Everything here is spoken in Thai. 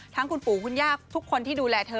ทั้งคุณปู่คุณย่าทุกคนที่ดูแลเธอ